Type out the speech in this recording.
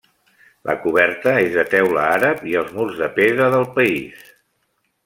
La coberta és de teula àrab i els murs de pedra del país.